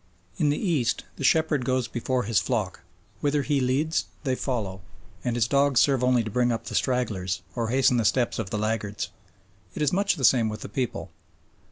In the East the shepherd goes before his flock; whither he leads they follow, and his dogs serve only to bring up the stragglers or hasten the steps of the laggards. It is much the same with the people.